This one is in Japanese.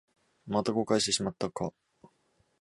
また誤解してしまったか